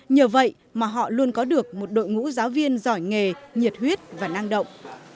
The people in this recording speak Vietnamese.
nhờ vậy mà họ luôn có được một đội ngũ giáo viên giỏi nghề nhiệt huyết và năng động